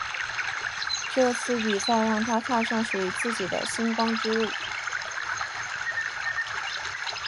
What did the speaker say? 这次比赛让她踏上属于自己的星光道路。